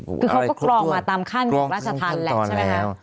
คือเขาก็กรองมาตามขั้นของราชธรรมแหละใช่ไหมคะ